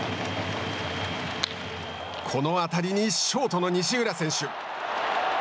この当たりにショートの西浦選手。